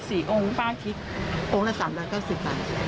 สี่องค์ป้าคิดองค์ละสามร้อยเก้าสิบองค์ละสามร้อยเก้าสิบค่ะ